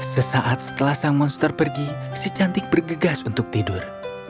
sesaat setelah sang monster pergi si cantik bergegas untuk tidur